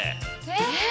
えっ。